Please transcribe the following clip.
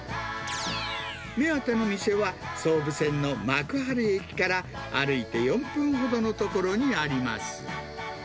目当ての店は、総武線の幕張駅から、歩いて４分ほどの所にあります。